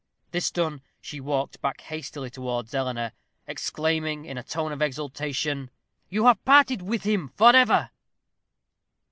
This done, she walked back hastily towards Eleanor, exclaiming, in a tone of exultation, "You have parted with him forever."